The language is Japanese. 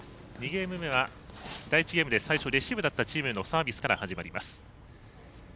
２ゲーム目は第１ゲームで最初、レシーブだったチームへのサービスから始まります。